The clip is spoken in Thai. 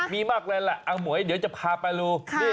มีมากเลยแหละอาหมวยเดี๋ยวจะพาไปรู